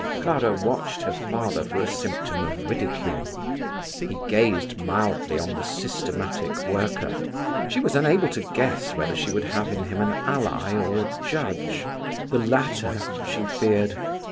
Clara watched her father for a symptom of ridicule. He gazed mildly on the systematic worker. She was unable to guess whether she would have in him an ally or a judge. The latter, she feared.